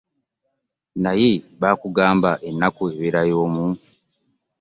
Naye baakugamba ennaku ebeera y'omu?